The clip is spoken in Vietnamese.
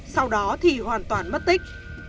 sau đó thì hoàn toàn mất tích